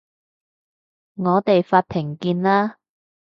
我哋法庭見啦